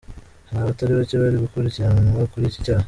Hari abatari bacye bari gukurikiranwa kuri iki cyaha.